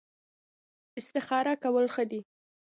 استخاره کول ښه دي